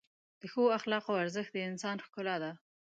د ښو اخلاقو ارزښت د انسان ښکلا ده.